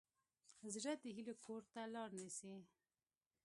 زړه د هیلو کور ته لار نیسي.